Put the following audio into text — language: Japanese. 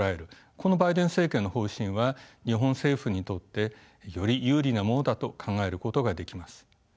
このバイデン政権の方針は日本政府にとってより有利なものだと考えることができます。